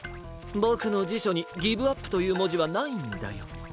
ボクのじしょにギブアップというもじはないんだよ。